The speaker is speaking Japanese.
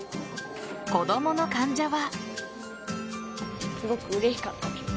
子供の患者は。